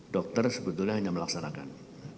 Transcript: dokter sebetulnya hanya melaksanakan